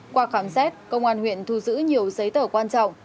qua khám xét công an huyện thu giữ nhiều giấy tờ quan trọng